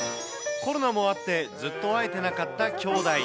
コロナもあって、ずっと会えてなかった兄妹。